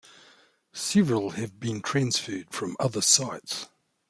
Several have been transferred from other sites.